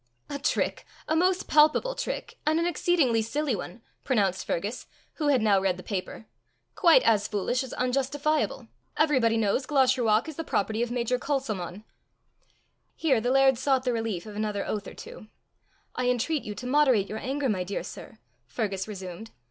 "A trick! a most palpable trick! and an exceedingly silly one!" pronounced Fergus, who had now read the paper; "quite as foolish as unjustifiable! Everybody knows Glashruach is the property of Major Culsalmon!" Here the laird sought the relief of another oath or two. "I entreat you to moderate your anger, my dear sir," Fergus resumed.